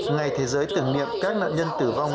ngày thế giới tưởng niệm các nạn nhân tử vong